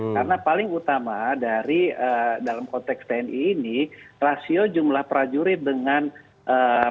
karena paling utama dari dalam konteks tni ini rasio jumlah prajurit dengan masyarakat yang dilindungi